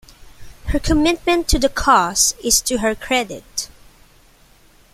Her commitment to the cause is to her credit.